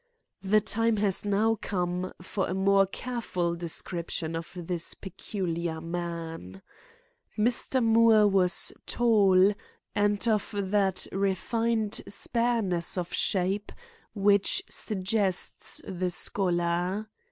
The time has now come for a more careful description of this peculiar man. Mr. Moore was tall and of that refined spareness of shape which suggests the scholar.